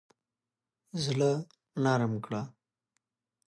زړه نرم کړه.